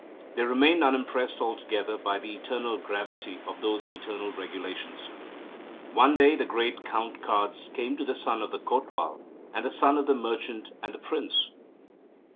They remained unimpressed altogether by the eternal gravity of those eternal regulations. One day the great Court Cards came to the Son of the Kotwal and the Son of the Merchant and the Prince.